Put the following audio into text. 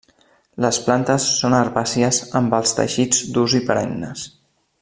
Les plantes són herbàcies amb els teixits durs i perennes.